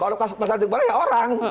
kalau pasal dua butir ya orang